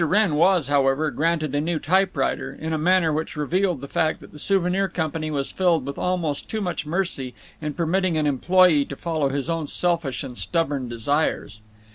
Wrenn was, however, granted a new typewriter, in a manner which revealed the fact that the Souvenir Company was filled with almost too much mercy in permitting an employee to follow his own selfish and stubborn desires.